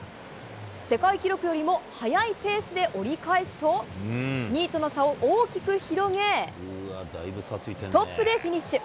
世界記録よりも速いペースで折り返すと、２位との差を大きく広げ、トップでフィニッシュ。